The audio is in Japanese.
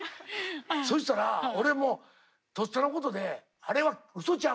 そしたら俺もとっさのことで「あれはうそちゃう。